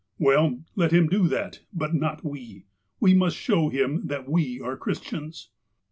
" Well, let him do that ; but not we. We must show him that we are Christians."